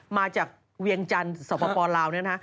มาจากเวียงจันทร์สปลาวเนี่ยนะ